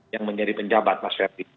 yang menjadi penjabat mas ferdi